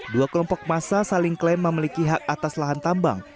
dua kelompok massa saling klaim memiliki hak atas lahan tambang